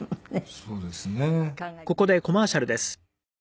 そうですね。